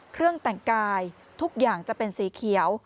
เครื่องแต่งกายทุกอย่างจะเป็นสีเขียว